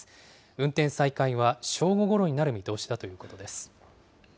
運転再開は正午ごろになる見通しだということです。